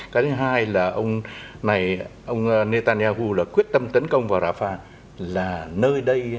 cái thứ hai là ông netanyahu quyết tâm tấn công vào rafah là nơi đây